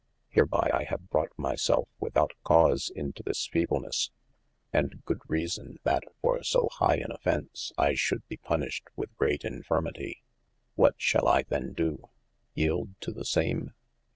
Herby I have brought my self without cause into this feeblenesse : and good reason that for so high an offence, I should be punished with great infirmitie : what shall I then doe ? yelde to the same